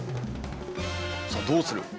さあどうする？